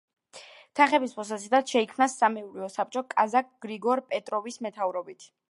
თანხების მოსაზიდად შეიქმნა სამეურვეო საბჭო კაზაკ გრიგორ პეტროვის მეთაურობით.